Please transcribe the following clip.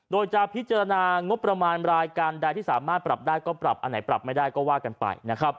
โดยจะพิจารณางบประมาณรายการใดที่สามารถปรับได้ก็ปรับอันไหนปรับไม่ได้ก็ว่ากันไปนะครับ